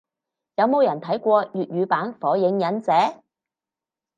有冇人睇過粵語版火影忍者？